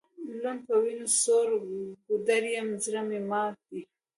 لوند په وینو سور ګودر یم زړه مي مات دی